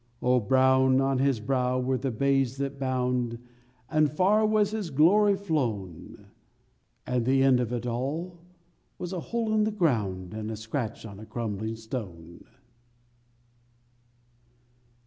_Oh! brown on his brow were the bays that bound And far was his glory flown! And the end of it all was a hole in the ground And a scratch on a crumbling stone.